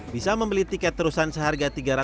bisa membeli tiket terusan seharga